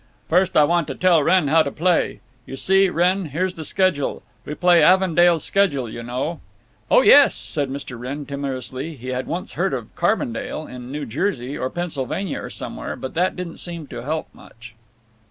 "First, I want to tell Wrenn how to play. You see, Wrenn, here's the schedule. We play Avondale Schedule, you know." "Oh yes," said Mr. Wrenn, timorously…. He had once heard of Carbondale—in New Jersey or Pennsylvania or somewhere—but that didn't seem to help much.